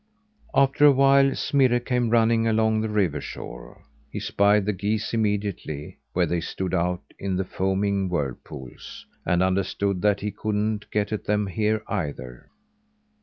After a while, Smirre came running along the river shore. He spied the geese immediately where they stood out in the foaming whirlpools, and understood that he couldn't get at them here, either.